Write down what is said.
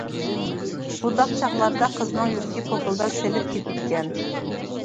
بۇنداق چاغلاردا قىزنىڭ يۈرىكى پوكۇلداپ سېلىپ كېتىدىكەن.